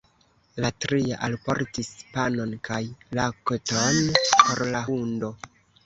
La tria alportis panon kaj lakton por la hundo.